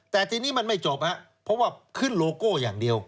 แต่ทีนี้มันไม่จบครับเพราะว่าขึ้นโลโก้อย่างเดียว